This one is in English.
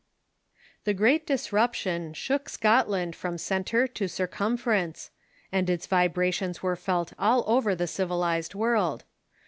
The Great Disruption shook Scotland from centre to cir cumference, and its vibrations were felt all over the civilized world.